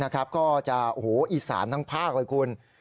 ก็จะอีสานทั้งภาคเลยคุณ